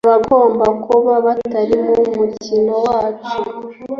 Abagomba kuba batari mu mukino wacu